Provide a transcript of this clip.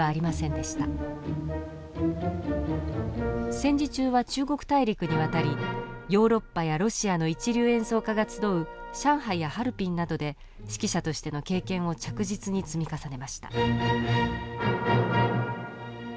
戦時中は中国大陸に渡りヨーロッパやロシアの一流演奏家が集う上海やハルビンなどで指揮者としての経験を着実に積み重ねました。